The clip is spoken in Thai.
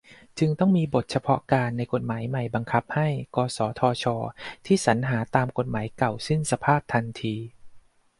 จึงต้องมีบทเฉพาะการ ในกฏหมายใหม่บังคับให้ กสทช ที่สรรหาตามกฎหมายเก่าสิ้นสภาพทันที